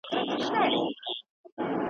محتسب مړ وي سیوری یې نه وي `